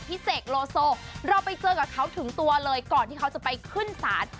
เสกโลโซเราไปเจอกับเขาถึงตัวเลยก่อนที่เขาจะไปขึ้นศาล